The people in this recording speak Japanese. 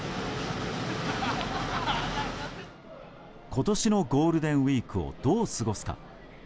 今年のゴールデンウィークをどう過ごすか。